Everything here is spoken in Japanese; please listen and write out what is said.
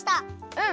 うん。